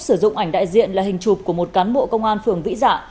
sử dụng ảnh đại diện là hình chụp của một cán bộ công an phường vĩ dạ